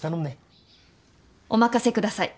お任せください。